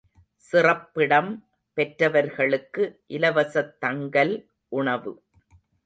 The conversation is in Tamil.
சிறப்பிடம் பெற்றவர்களுக்கு இலவசத் தங்கல், உணவு.